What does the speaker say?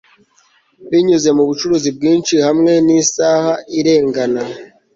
Binyuze mu bucuruzi bwinshi hamwe nisaha irengana